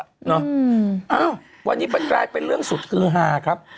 เอ้าวันนี้มันกลายเป็นเรื่องสุดคือฮาครับ